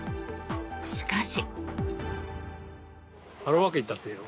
しかし。